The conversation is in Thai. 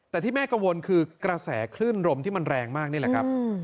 แต่ที่แม่กังวลคือกระแสคลื่นลมที่มันแรงมากนี่แหละครับ